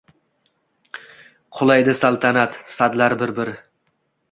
Qulaydi saltanat sadlari bir-bir